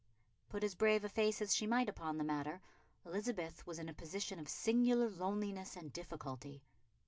Put as brave a face as she might upon the matter, Elizabeth was in a position of singular loneliness and difficulty.